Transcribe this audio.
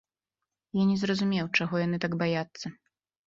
Я не зразумеў, чаго яны так баяцца.